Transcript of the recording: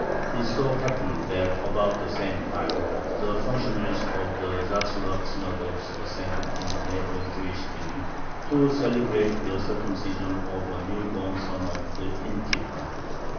It so happened that about the same time the functionaries of the Zaslav synagogue assembled in a neighboring Jewish inn, to celebrate the circumcision of the new born son of the innkeeper.